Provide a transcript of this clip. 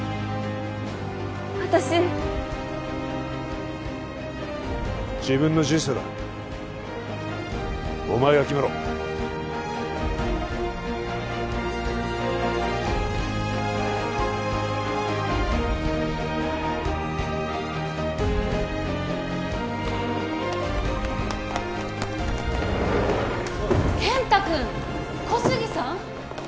私自分の人生だお前が決めろ健太君小杉さん？